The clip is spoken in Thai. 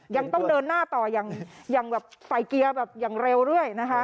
ยังต้องเดินหน้าต่อยังไฟเกียร์อย่างเร็วเรื่อยนะคะ